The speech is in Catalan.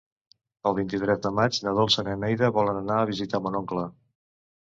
El vint-i-tres de maig na Dolça i na Neida volen anar a visitar mon oncle.